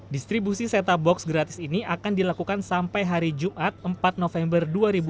distribusi set top box gratis ini akan dilakukan sampai hari jumat empat november dua ribu dua puluh